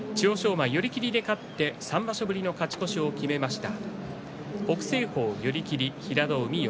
馬、寄り切りで勝って３場所ぶりの勝ち越しを決めました。